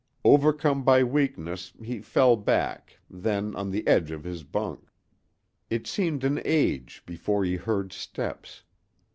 Overcome by weakness he fell back then on the edge of his bunk, It seemed an age before he heard steps.